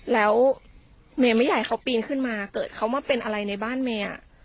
แล้วเมย์ไม่อยากให้เขาปีนขึ้นมาเกิดเขามาเป็นอะไรในบ้านเมย์